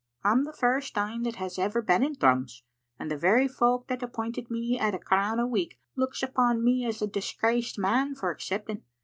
I'm the first ane that has ever been in Thrums, and the very folk that appointed me at a crown a week looks upon me as a disgraced man for accepting.